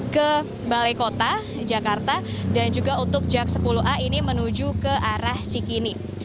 ke balai kota jakarta dan juga untuk jak sepuluh a ini menuju ke arah cikini